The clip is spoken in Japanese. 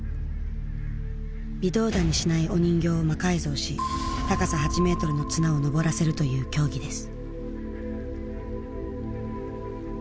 微動だにしないお人形を魔改造し高さ８メートルの綱を登らせるという競技です。